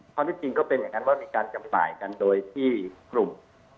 ที่จริงก็เป็นอย่างนั้นว่ามีการจำหน่ายกันโดยที่กลุ่ม